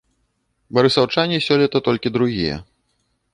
Барысаўчане сёлета толькі другія.